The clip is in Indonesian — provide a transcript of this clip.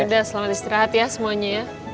sudah selamat istirahat ya semuanya ya